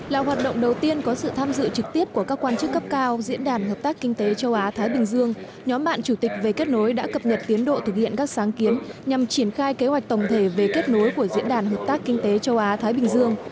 là hoạt động đầu tiên có sự tham dự trực tiếp của các quan chức cấp cao diễn đàn hợp tác kinh tế châu á thái bình dương nhóm bạn chủ tịch về kết nối đã cập nhật tiến độ thực hiện các sáng kiến nhằm triển khai kế hoạch tổng thể về kết nối của diễn đàn hợp tác kinh tế châu á thái bình dương